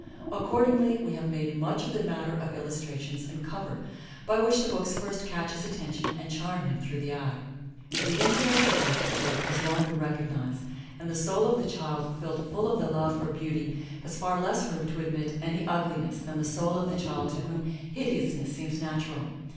Accordingly, we have made much of the matter of illustrations and cover, by which the books first catch his attention and charm him through the eye. The influence of art for good has long been recognized, and the soul of the child filled full of the love for beauty has far less room to admit any ugli ness than the soul of the child to whom hideousness seems natural.